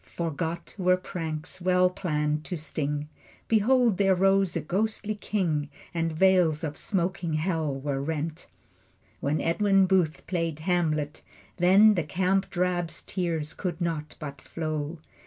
Forgot were pranks well planned to sting. Behold there rose a ghostly king, And veils of smoking Hell were rent. When Edwin Booth played Hamlet, then The camp drab's tears could not but flow.